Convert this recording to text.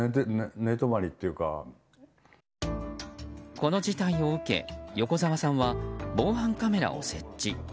この事態を受け横澤さんは防犯カメラを設置。